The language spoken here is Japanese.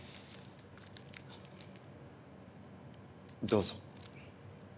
どうぞ。